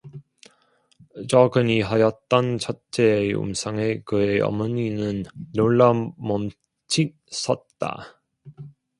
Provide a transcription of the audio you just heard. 자거니 하였던 첫째의 음성에 그의 어머니는 놀라 멈칫 섰다.